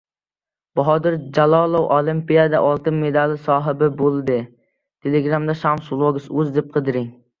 Bahodir Jalolov Olimpiada oltin medali sohibi bo‘ldi